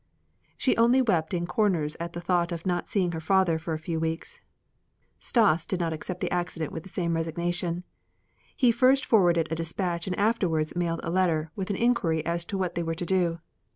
She only wept in corners at the thought of not seeing her father for a few weeks. Stas did not accept the accident with the same resignation. He first forwarded a dispatch and afterwards mailed a letter with an inquiry as to what they were to do.